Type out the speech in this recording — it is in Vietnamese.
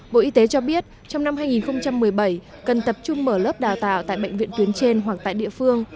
bộ y tế cho biết trong năm hai nghìn một mươi bảy cần tập trung mở lớp đào tạo tại bệnh viện tuyến trên hoặc tại địa phương